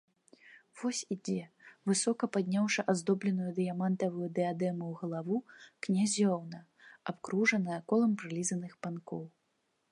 Вось ідзе, высока падняўшы аздобленую дыяментаваю дыядэмаю галаву, князёўна, абкружаная колам прылізаных панкоў.